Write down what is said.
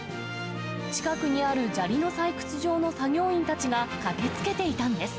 近くにある砂利の採掘場の作業員たちが駆けつけていたんです。